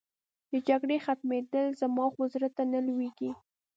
د جګړې ختمېدل، زما خو زړه ته نه لوېږي.